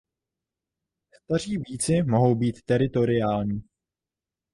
Staří býci mohou být teritoriální.